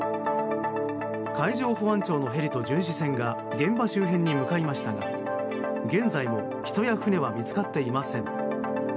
海上保安庁のヘリと巡視船が現場周辺に向かいましたが現在も人や船は見つかっていません。